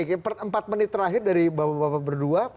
oke empat menit terakhir dari bapak bapak berdua